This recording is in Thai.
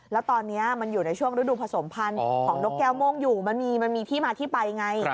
แล้วตอนนี้มันอยู่ในช่วงฤดูผสมพันธุ์ของนกแก้วโม่งอยู่มันมีที่มาที่ไปไง